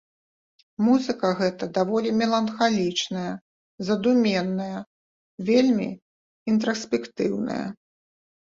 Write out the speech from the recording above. Музыка гэта даволі меланхалічная, задуменная, вельмі інтраспектыўная.